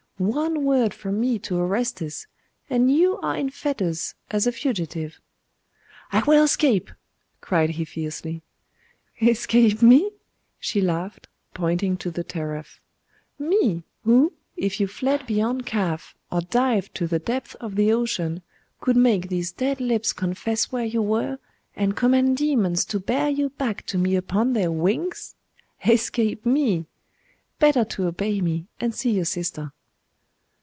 One word from me to Orestes, and you are in fetters as a fugitive.' 'I will escape!' cried he fiercely. 'Escape me?' She laughed, pointing to the teraph 'Me, who, if you fled beyond Kaf, or dived to the depths of the ocean, could make these dead lips confess where you were, and command demons to bear you back to me upon their wings! Escape me! Better to obey me, and see your sister.